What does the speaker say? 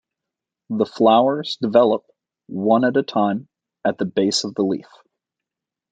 The flowers develop one at a time at the base of the leaf.